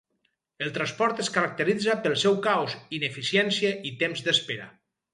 El transport es caracteritza pel seu caos, ineficiència i temps d'espera.